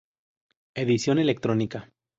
Edición electrónica.